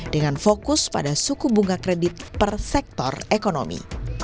dengan fokus pada suku bunga kredit per sektor ekonomi